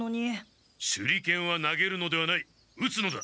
手裏剣は投げるのではない打つのだ！